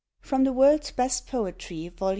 The WorldsVest Poetry Vol.!